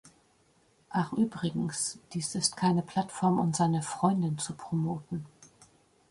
Ach übrigens, dies ist keine Plattform um seine "Freundin" zu promoten.